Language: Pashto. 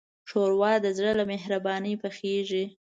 ښوروا د زړه له مهربانۍ پخیږي.